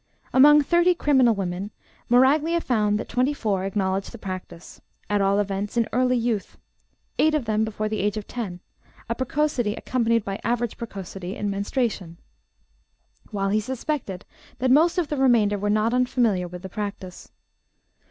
Among 30 criminal women Moraglia found that 24 acknowledged the practice, at all events in early youth (8 of them before the age of 10, a precocity accompanied by average precocity in menstruation), while he suspected that most of the remainder were not unfamiliar with the practice.